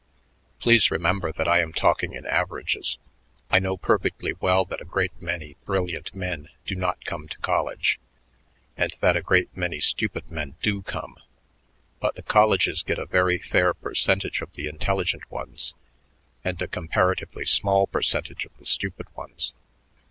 Please remember that I am talking in averages. I know perfectly well that a great many brilliant men do not come to college and that a great many stupid men do come, but the colleges get a very fair percentage of the intelligent ones and a comparatively small percentage of the stupid ones.